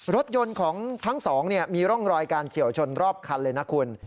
รถยนต์ของทั้งสองมีร่องรอยการเฉียวชนรอบคันเลยนะคุณ